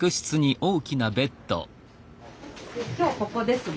今日ここですね。